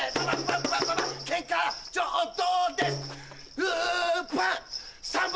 ちょっと。